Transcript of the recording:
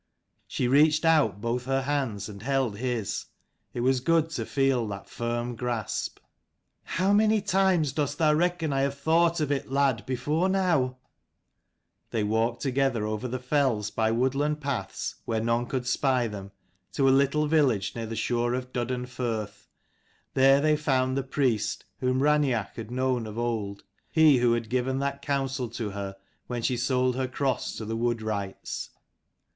She reached out both her hands, and held his. It was good to feel that firm grasp. " How many times dost thou reckon I have thought of it, lad, before now ?" They walked together over the fells by wood land paths where none could spy them, to a little village near the shore of Duddon firth. There they found the priest whom Raineach had known of old, he who had given that counsel to her when she sold her cross to the wood wrights.